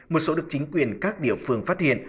một số được chính quyền các địa phương phát hiện